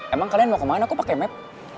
emang kalian mau kemana kok pake map